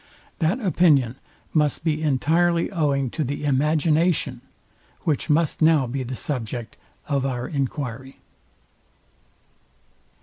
That opinion must be entirely owing to the IMAGINATION: which must now be the subject of our enquiry.